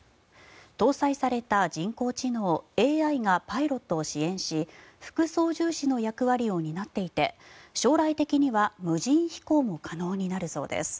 搭載された人工知能・ＡＩがパイロットを支援し副操縦士の役割を担っていて将来的には無人飛行も可能になるそうです。